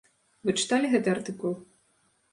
Вы чыталі гэты артыкул?